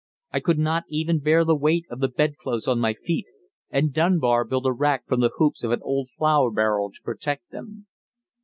I could not even bear the weight of the bed clothes on my feet, and Dunbar built a rack from the hoops of an old flour barrel to protect them.